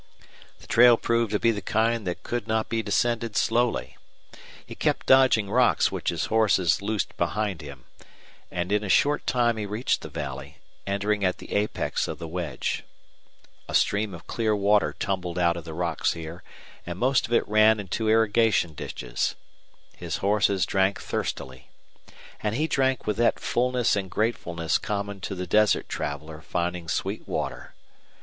The trail proved to be the kind that could not be descended slowly. He kept dodging rocks which his horses loosed behind him. And in a short time he reached the valley, entering at the apex of the wedge. A stream of clear water tumbled out of the rocks here, and most of it ran into irrigation ditches. His horses drank thirstily. And he drank with that fullness and gratefulness common to the desert traveler finding sweet water.